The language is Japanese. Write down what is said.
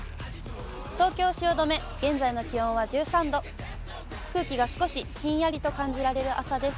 東京・汐留、現在の気温は１３度、空気が少しひんやりと感じられる朝です。